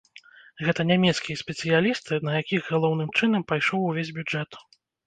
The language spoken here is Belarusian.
Гэта нямецкія спецыялісты, на якіх, галоўным чынам, пайшоў увесь бюджэт.